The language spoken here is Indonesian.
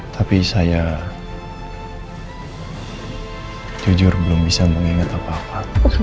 tapi saya jujur belum bisa mengingat apa apa